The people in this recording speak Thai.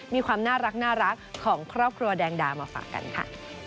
มีความน่ารักของครอบครัวแดงดามาฝากกันค่ะ